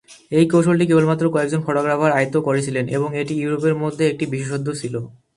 এই কৌশলটি কেবলমাত্র কয়েকজন ফটোগ্রাফার আয়ত্ত করেছিলেন, এবং এটি মধ্য ইউরোপের একটি বিশেষত্ব ছিল।